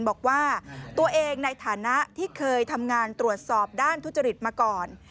บอกว่าตัวเองในฐานะที่เคยทำงานตรวจสอบด้านทุจริตมาก่อน